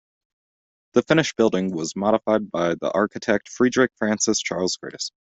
The finished building was modified by the architect Frederick Francis Charles Curtis.